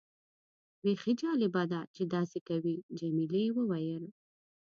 بیخي جالبه ده چې داسې کوي. جميلې وويل:.